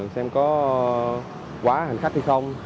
xem có quá hành khách hay không